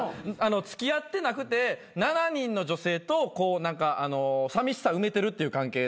付き合ってなくて７人の女性と何かさみしさ埋めてるっていう関係なんですよ。